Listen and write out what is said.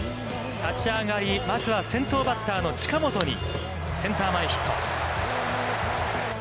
立ち上がり、まずは先頭バッターの近本にセンター前ヒット。